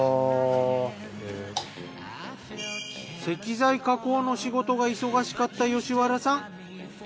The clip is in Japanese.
石材加工の仕事が忙しかった吉原さん。